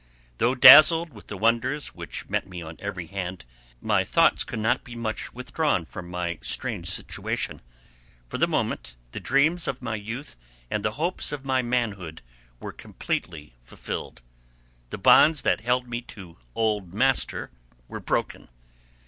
Though dazzled with the wonders which met me on every hand, my thoughts could not be much withdrawn from my strange situation. For the moment, the dreams of my youth and the hopes of my manhood were completely fulfilled. The bonds that had held me to "old master" were broken.